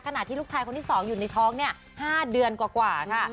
ที่ลูกชายคนที่๒อยู่ในท้องเนี่ย๕เดือนกว่าค่ะ